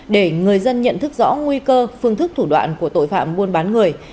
để người dân nhận thức rõ nguy cơ phương thức thủ đoạn của tội phạm buôn bán người